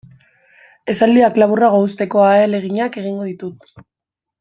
Esaldiak laburrago uzteko ahaleginak egingo ditut.